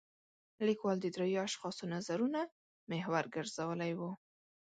لیکوال د درېو اشخاصو نظرونه محور ګرځولی و.